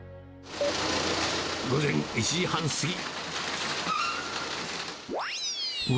午前１時半過ぎ。